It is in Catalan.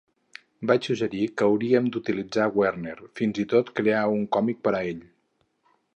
Vaig suggerir que hauríem d'utilitzar Werner, fins i tot crear un còmic per a ell.